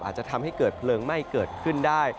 อาจจะทำให้เกิดเพลิงไหม้เกิดขึ้นได้